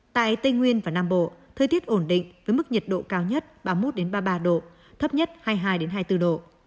tại tây nguyên và nam bộ thời tiết ổn định với mức nhiệt độ cao nhất ba mươi một ba mươi ba độ thấp nhất hai mươi hai hai mươi bốn độ